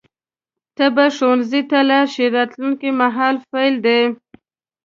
ته به ښوونځي ته لاړ شې راتلونکي مهال فعل دی.